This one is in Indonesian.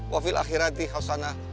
wafil akhirati hasanah